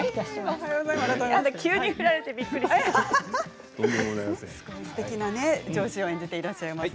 急に振られてびっくりしました。